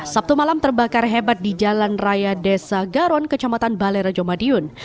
sabtu malam terbakar hebat di jalan raya desa garon kecamatan balerejo madiun